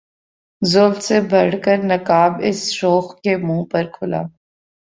زلف سے بڑھ کر نقاب اس شوخ کے منہ پر کھلا